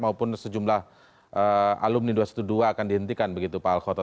maupun sejumlah alumni dua ratus dua belas akan dihentikan begitu pak al khoto